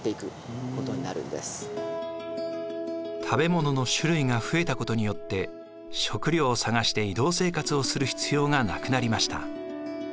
食べ物の種類が増えたことによって食料を探して移動生活をする必要がなくなりました。